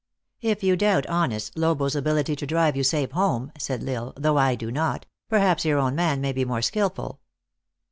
" If you doubt honest Lobo s ability to drive you safe home," said L Isle, " though I do not, perhaps your own man may be more skilful."